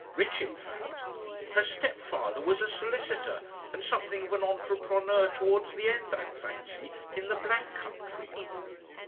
Rich in fact. Her step father was a solicitor and something of an ENTREPRENEUR towards the end, I fancy in the Black Country.